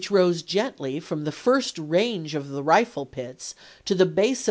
XiW rose gently from the first range of rifle pits to the vol.